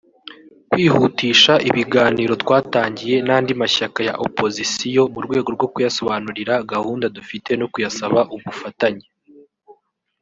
Kwihutisha ibiganiro twatangiye n’andi mashyaka ya Opozisiyo mu rwego rwo kuyasobanurira gahunda dufite no kuyasaba ubufatanye